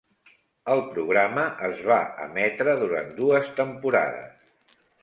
El programa es va emetre durant dues temporades.